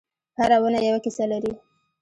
هره ونه یوه کیسه لري.